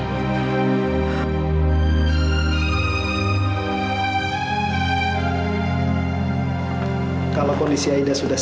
sekedar untuk dokter untuk eyesight